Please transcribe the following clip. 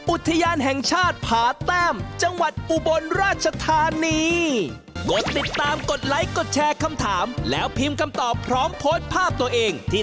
๓อุทยานแห่งชาติผาแต้มจังหวัดอุบลราชธานี